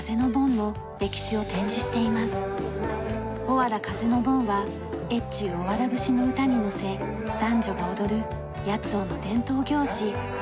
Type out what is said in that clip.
おわら風の盆は『越中おわら節』の唄にのせ男女が踊る八尾の伝統行事。